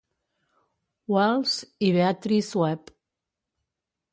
Wells i Beatrice Webb.